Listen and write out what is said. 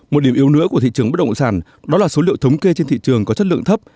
một điểm yếu nữa của thị trường bất động sản đó là số liệu thống kê trên thị trường có chất lượng thấp